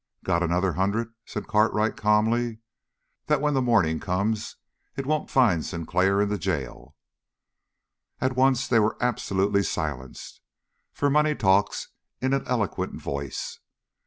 "Got another hundred," said Cartwright calmly, "that when the morning comes it won't find Sinclair in the jail." At once they were absolutely silenced, for money talks in an eloquent voice.